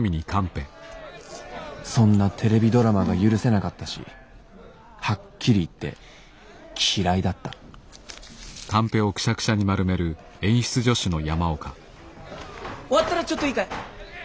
そんなテレビドラマが許せなかったしはっきり言って嫌いだった終わったらちょっといいかい？